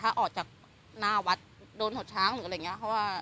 เพราะออกจากหน้าวัดโดนหดช้างอะไรอย่างเนี้ยเขาว่า